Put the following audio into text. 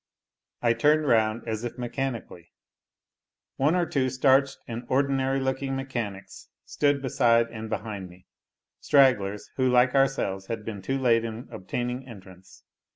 I turned round, as if mechanically. One or two starched and ordinary looking mechanics stood beside and behind me, stragglers, who, like ourselves, had been too late in obtaining entrance.